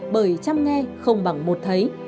bởi chăm nghe không bằng một thấy